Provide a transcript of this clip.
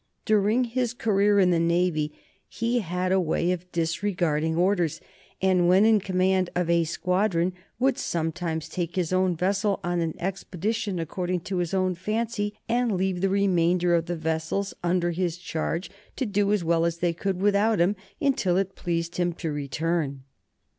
During his career in the Navy he had a way of disregarding orders, and when in command of a squadron would sometimes take his own vessel on an expedition according to his own fancy, and leave the remainder of the vessels under his charge to do as well as they could without him until it pleased him to return.